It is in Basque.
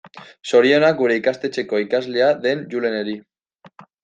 Zorionak gure ikastetxeko ikaslea den Juleneri.